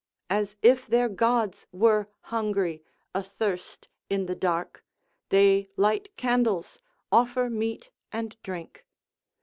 As if their gods were hungry, athirst, in the dark, they light candles, offer meat and drink.